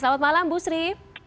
selamat malam bu sri